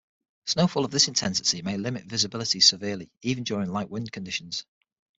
Snowfall of this intensity may limit visibilities severely, even during light wind conditions.